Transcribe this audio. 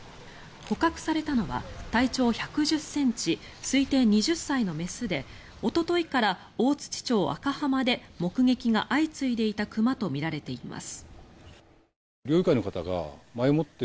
捕獲されたのは体長１１０ｃｍ推定２０歳の雌でおとといから大槌町赤浜で目撃が相次いでいた熊とみられています。